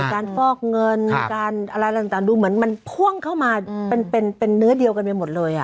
ฟอกเงินการอะไรต่างดูเหมือนมันพ่วงเข้ามาเป็นเนื้อเดียวกันไปหมดเลย